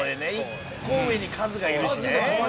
１個上にカズがいるしね。